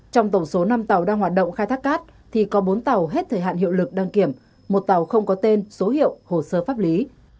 trong tổng số năm tàu đang hoạt động khai thác cát thì có bốn tàu hết thời hạn hiệu lực đăng kiểm một tàu không có tên số hiệu hồ sơ pháp lý